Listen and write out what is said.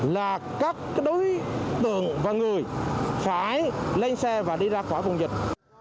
là các đối tượng và người phải lên xe và đi ra khỏi vùng dịch